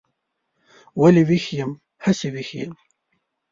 ولې ویښ یم؟ هسې ویښ یم.